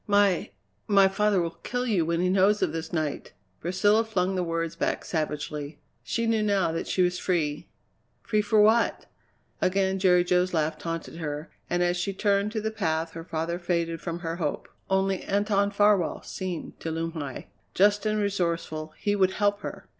"My my father will kill you when he knows of this night!" Priscilla flung the words back savagely. She knew now that she was free free for what? Again Jerry Jo's laugh taunted her, and as she turned to the path her father faded from her hope. Only Anton Farwell seemed to loom high. Just and resourceful, he would help her!